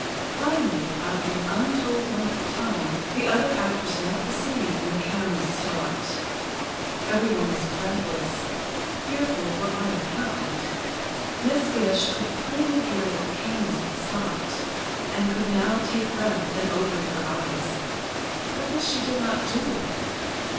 Finally, after an untold length of time, the other actors left the scene and the cameras stopped. Everyone was breathless, fearful of what might have happened. Miss Gish could plainly hear that the cameras had stopped, and could now take breath and open her eyes. But this she did not do.